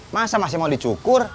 masa masih mau dicukur